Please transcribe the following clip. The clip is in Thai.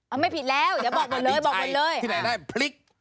อะไม่ผิดแล้วเดี๋ยวบอกกนเลยติ๊กที่ไหนได้พลิก